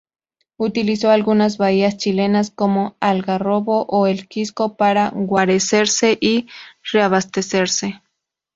Utilizó algunas bahías chilenas como Algarrobo o El Quisco para guarecerse y reabastecerse.